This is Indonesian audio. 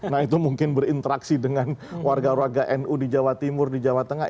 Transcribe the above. nah itu mungkin berinteraksi dengan warga warga nu di jawa timur di jawa tengah